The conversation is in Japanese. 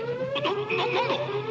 ななんだ！？